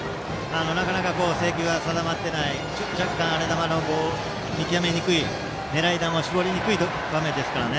なかなか制球が定まっていない若干荒れ球で見極めにくい、狙い球を絞りにくい場面ですから。